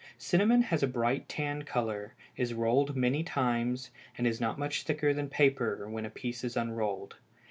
Cinnamon has a bright tan color, is rolled many times, and is not much thicker than paper when a piece is unrolled.